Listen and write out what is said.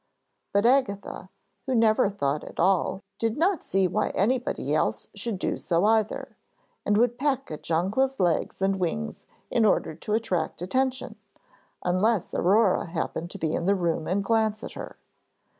But Agatha, who never thought at all, did not see why anybody else should do so either, and would peck at Jonquil's legs and wings in order to attract attention, unless Aurore happened to be in the room and glance at her.